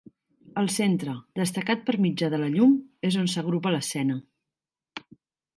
Al centre, destacat per mitjà de la llum, és on s'agrupa l'escena.